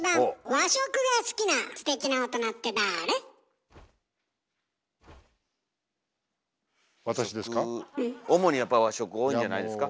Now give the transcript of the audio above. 和食主にやっぱ和食多いんじゃないですか？